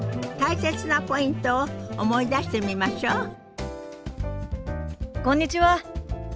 大切なポイントを思い出してみましょう。